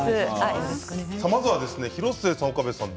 まずは広末さん、岡部さん